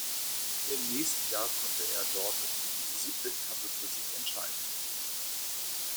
Im nächsten Jahr konnte er dort die siebte Etappe für sich entscheiden.